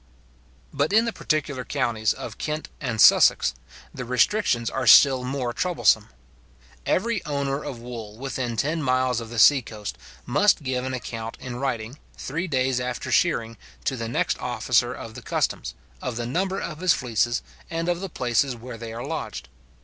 But in the particular counties of Kent and Sussex, the restrictions are still more troublesome. Every owner of wool within ten miles of the sea coast must give an account in writing, three days after shearing, to the next officer of the customs, of the number of his fleeces, and of the places where they are lodged.